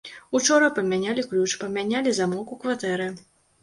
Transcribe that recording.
Учора памянялі ключ, памянялі замок у кватэры.